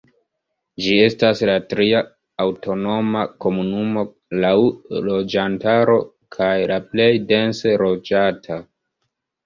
Ĝi estas la tria aŭtonoma komunumo laŭ loĝantaro kaj la plej dense loĝata.